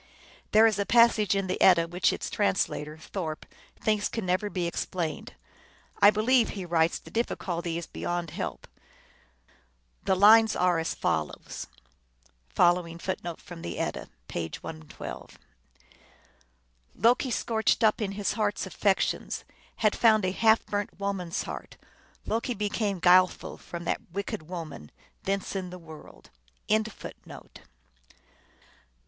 There is a passage in the Edda which its translator, Thorpe, thinks can never be explained. " I believe," he writes, " the difficulty is beyond help." The lines are as fol lows : "Loki scorched up l In his heart s affections, Had found a half burnt Woman s heart. Loki became guileful from that wicked woman : thence in the world are all giantesses come."